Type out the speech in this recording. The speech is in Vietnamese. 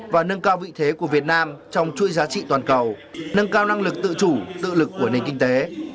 và nâng cao vị thế của việt nam trong chuỗi giá trị toàn cầu nâng cao năng lực tự chủ tự lực của nền kinh tế